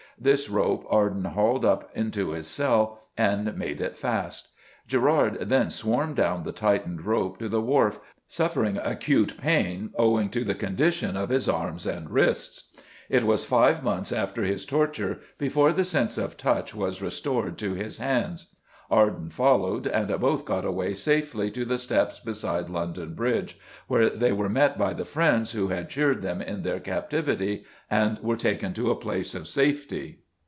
This rope Arden hauled up into his cell and made it fast. Gerard then swarmed down the tightened rope to the Wharf, suffering acute pain owing to the condition of his arms and wrists. It was five months after his torture before the sense of touch was restored to his hands. Arden followed, and both got away safely to the steps beside London Bridge, where they were met by the friends who had cheered them in their captivity, and were taken to a place of safety.